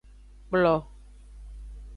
Kplo.